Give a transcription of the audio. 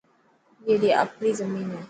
ائي ري آپري زمين هي.